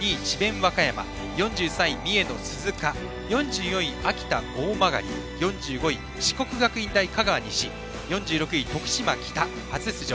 和歌山４３位、三重の鈴鹿４４位、秋田・大曲４５位、四国学院大香川西４６位、徳島北、初出場。